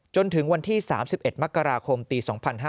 จนถึงวันที่๓๑มกราคมปี๒๕๕๙